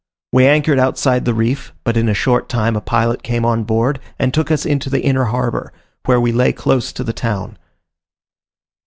We anchored outside the reef; but in a short time a pilot came on board and took us into the inner harbour, where we lay close to the town.